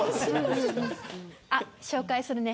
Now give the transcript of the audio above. あっ紹介するね。